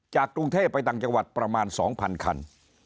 จากกรุงเทพไปต่างจังหวัดประมาณสองพันคัน